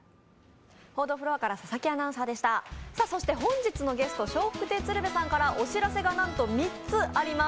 本日のゲスト、笑福亭鶴瓶さんからお知らせがなんと３つあります。